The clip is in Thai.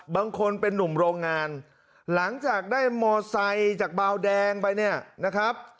บางคนเป็นนุ่มโรงงานหลังจากได้มอไซค์จากเบาแดงไปเนี่ยนะครับ